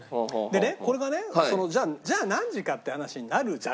でねこれがねじゃあ何時かって話になるじゃない結局は。